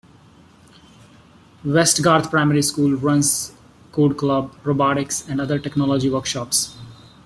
Westgarth Primary School runs code club, robotics and other Technology workshops.